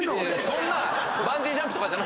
そんなバンジージャンプじゃ。